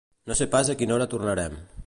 No sé pas a quina hora tornarem